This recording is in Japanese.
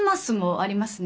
ありますね。